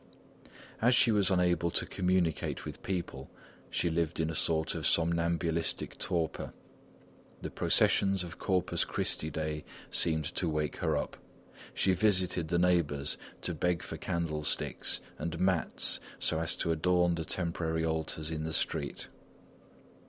As she was unable to communicate with people, she lived in a sort of somnambulistic torpor. The processions of Corpus Christi Day seemed to wake her up. She visited the neighbours to beg for candlesticks and mats so as to adorn the temporary altars in the street.